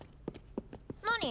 何？